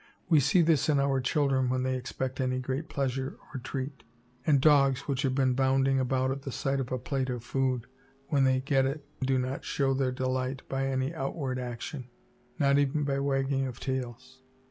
We see this in our children when they expect any great pleasure or treat; and dogs, which have been bounding about at the sight of a plate of food, when they get it do not show their delight by any outward sign, not even by wagging their tails.